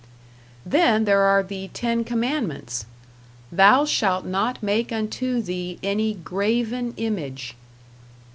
Then there are the Ten Commandments. "Thou shalt not make unto thee any graven image."